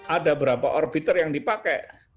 ada beberapa orbiter yang dipakai